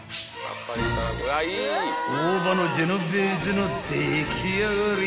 ［大葉のジェノベーゼの出来上がり］